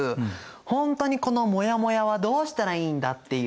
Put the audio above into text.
ほんとにこのもやもやはどうしたらいいんだっていう。